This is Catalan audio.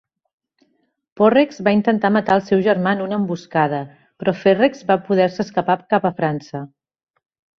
Porrex va intentar matar el seu germà en una emboscada, però Ferrex va poder-se escapar cap a França.